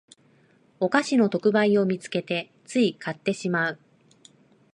お菓子の特売を見つけてつい買ってしまう